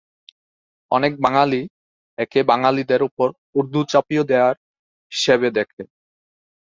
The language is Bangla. অনেক বাঙালি একে বাঙালিদের উপর উর্দু চাপিয়ে দেয়া হিসেবে দেখে।